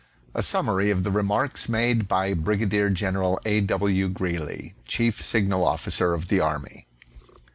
A Summary of the remarks made by Brigadier General A. W. Greely, Chief Signal Officer of the Army.